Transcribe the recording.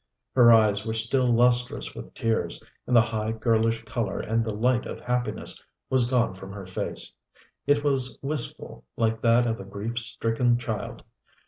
Her eyes were still lustrous with tears, and the high girlish color and the light of happiness was gone from her face. It was wistful, like that of a grief stricken child.